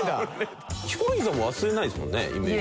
ヒコロヒーさんも忘れないですもんねイメージ。